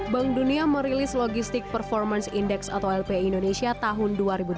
bank dunia merilis logistic performance index atau lpi indonesia tahun dua ribu dua puluh